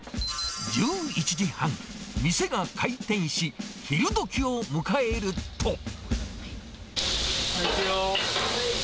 １１時半、店が開店し、昼どきを迎えると。